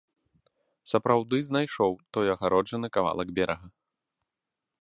Сапраўды знайшоў той агароджаны кавалак берага.